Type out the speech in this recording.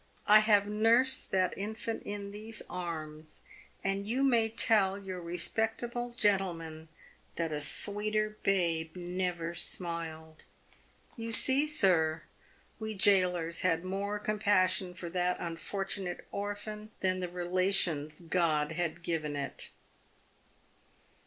I have nursed that infant in these arms, and you may tell your respectable gentle man that a sweeter babe never smiled. You see, sir, w r e gaolers had more compassion for that unfortunate orphan than the relations God had given it."